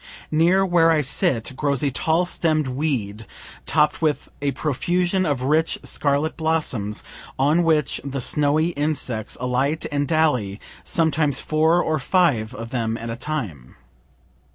Near where I sit grows a tall stemm'd weed topt with a profusion of rich scarlet blossoms, on which the snowy insects alight and dally, sometimes four or five of them at a time.